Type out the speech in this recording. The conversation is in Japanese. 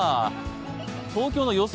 東京の予想